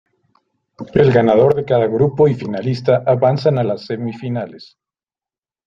El ganador de cada grupo y finalista avanzan a las semifinales.